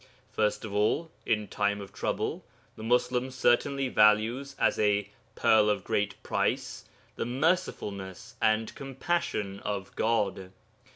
First of all, in time of trouble, the Muslim certainly values as a 'pearl of great price' the Mercifulness and Compassion of God.